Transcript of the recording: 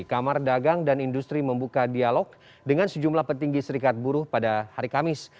kamar dagang dan industri membuka dialog dengan sejumlah petinggi serikat buruh pada hari kamis